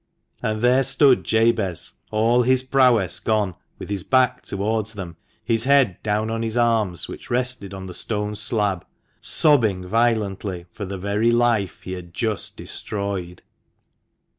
And there stood Jabez, all his prowess gone, with his back towards them, his head down on his arms, which rested on the stone slab, sobbing violently for the very life he had just destroyed.